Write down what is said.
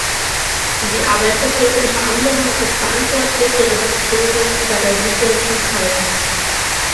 Sie arbeitete unter anderem als verantwortliche Redakteurin bei der "Süddeutschen Zeitung".